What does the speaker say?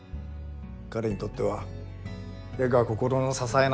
彼にとっては絵が心の支えなのでしょう。